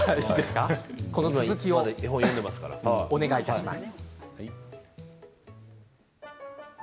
この続きをお願いします。